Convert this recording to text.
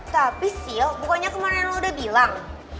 tapi sih bukannya kemarin lo udah bilang